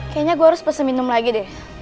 kayaknya gue harus pesen minum lagi deh